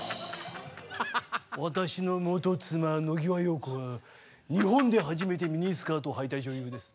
私の元妻野際陽子は日本で初めてミニスカートをはいた女優です。